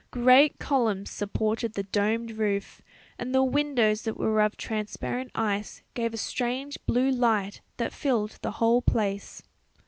Great columns supported the domed roof, and the windows that were of transparent ice gave a strange blue light that filled the whole place.